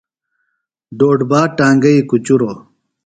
ڈوڈبا ٹانگئی کُچُروۡ۔